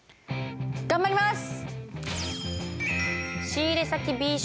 頑張ります！